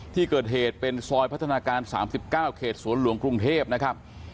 ที่เกิดเหตุเป็นซอยพัฒนาการ๓๙เขศสวรรค์หรูไม่เทพนะครับ